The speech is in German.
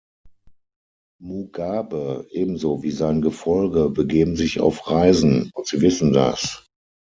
Mugabe ebenso wie sein Gefolge begeben sich auf Reisen, und Sie wissen das.